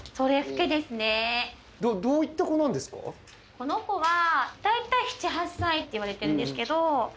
この子は。っていわれてるんですけど。